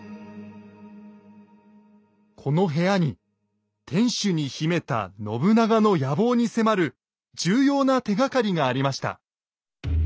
この部屋に天主に秘めた信長の野望に迫る重要な手がかりがありました。